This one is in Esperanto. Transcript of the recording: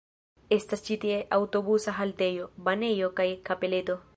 Estas ĉi tie aŭtobusa haltejo, banejo kaj kapeleto.